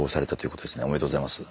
おめでとうございます。